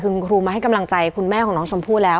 คือคุณครูมาให้กำลังใจคุณแม่ของน้องชมพู่แล้ว